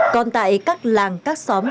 còn tại các làng các xóm